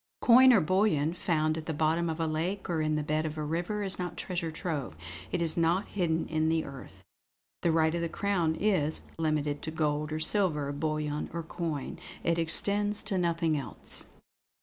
"Coin or bullion found at the bottom of a lake or in the bed of a river is not treasure trove. It is not hidden in the earth." "The right of the Crown is ... limited to gold or silver, bullion or coin. It extends to nothing else."...